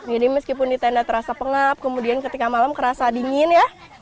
ini meskipun di tenda terasa pengap kemudian ketika malam kerasa dingin ya